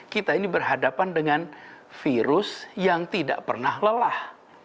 kita ini berhadapan dengan virus yang tidak pernah lelah